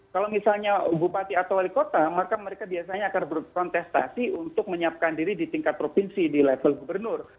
kalau misalnya bupati atau wali kota maka mereka biasanya akan berkontestasi untuk menyiapkan diri di tingkat provinsi di level gubernur